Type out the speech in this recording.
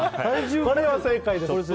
これは正解です。